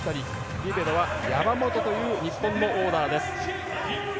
リベロは山本という日本のオーダーです。